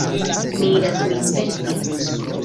Mi iras min vesti!